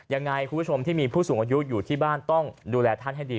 ยังไงคุณผู้ชมที่มีผู้สูงอายุอยู่ที่บ้านต้องดูแลท่านให้ดี